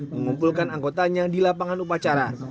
mengumpulkan anggotanya di lapangan upacara